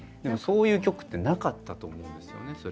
そういう曲ってなかったと思うんですよね